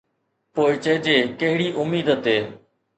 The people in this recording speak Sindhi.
پوءِ چئجي ڪهڙي اميد تي